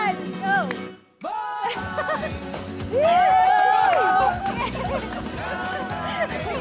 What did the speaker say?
mungkin kamu bisa berdiri disini